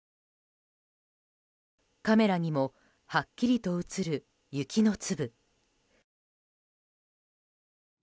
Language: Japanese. カメラにもはっきりと映る雪の粒。